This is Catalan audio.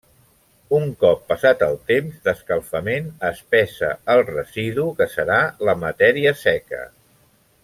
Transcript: Un cop passat el temps d'escalfament es pesa el residu que serà la matèria seca.